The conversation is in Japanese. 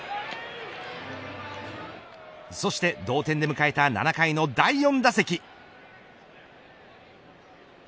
そして同点で迎えた７回の第４打席。